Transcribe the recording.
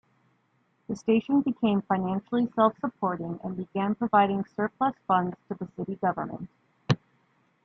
The station became financially self-supporting and began providing surplus funds to the city government.